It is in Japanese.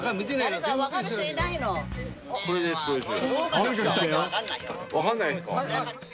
わかんないですか？